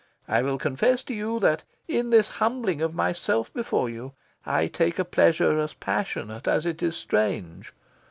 I will confess to you that, in this humbling of myself before you, I take a pleasure as passionate as it is strange.